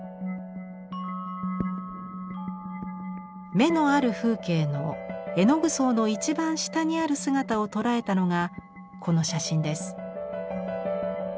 「眼のある風景」の絵の具層の一番下にある姿を捉えたのがこの写真です。